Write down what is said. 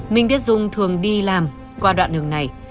minh biết dung thường đi làm qua đoạn đường này